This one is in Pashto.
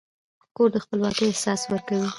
کور د خپلواکۍ احساس ورکوي.